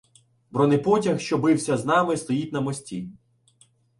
Бронепотяг, що бився з нами, стоїть на мості.